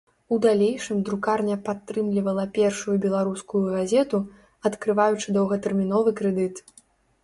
У далейшым друкарня падтрымлівала першую беларускую газету, адкрываючы доўгатэрміновы крэдыт.